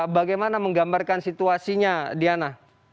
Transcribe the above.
bagaimana menggambarkan situasinya diana